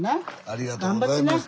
ありがとうございます。